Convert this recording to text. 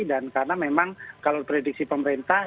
dan karena memang kalau prediksi pemerintah